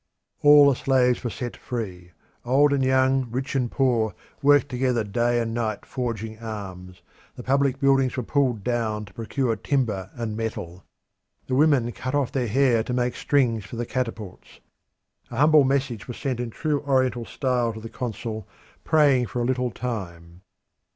All the slaves were set free. Old and young, rich and poor, worked together day and night forging arms. The public buildings were pulled down to procure timber and metal. The women cut off their hair to make strings for the catapults. A humble message was sent in true Oriental style to the consul, praying for a little time.